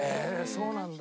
そうなんだ。